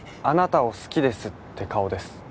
あなたを好きですって顔です。